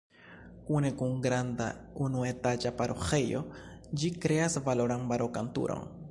Kune kun granda unuetaĝa paroĥejo ĝi kreas valoran barokan tuton.